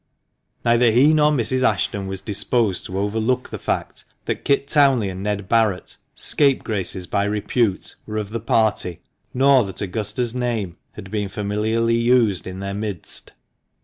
Neither he nor Mrs. Ashton was disposed to overlook the fact that Kit Townley and Ned Barret — scapegraces by repute — were of the party, nor that Augusta's name had been familiarly used in their midst.